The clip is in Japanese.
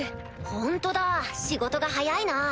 ホントだ仕事が早いな。